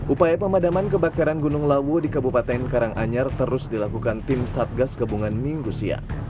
upaya pemadaman kebakaran gunung lawu di kabupaten karanganyar terus dilakukan tim satgas gabungan minggu siang